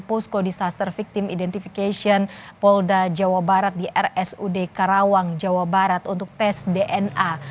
posko disaster victim identification polda jawa barat di rsud karawang jawa barat untuk tes dna